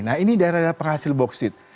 nah ini daerah daerah penghasil bauksit